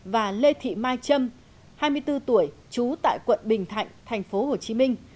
và lê thị mai trâm hai mươi bốn tuổi trú tại quận bình thạnh thành phố hồ chí minh